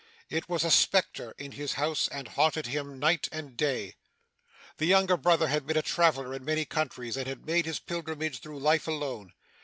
It was a spectre in his house, and haunted him night and day. 'The younger brother had been a traveller in many countries, and had made his pilgrimage through life alone.